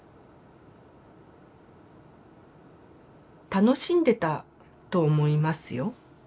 楽しんでたと思いますよ。